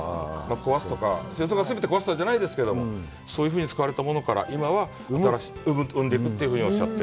壊すとか、戦争が全てを壊したんじゃないですけど、そういうふうに使われたものから今は新しい、生んでいくというふうにおっしゃってて。